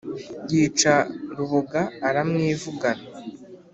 yica rubuga aramwivugana